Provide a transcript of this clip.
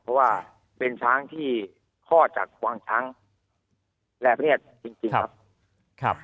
เพราะว่าเป็นช้างที่คลอดจากกวางช้างแรบเรียบจริงครับ